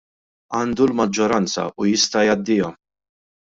Għandu l-maġġoranza u jista' jgħaddiha.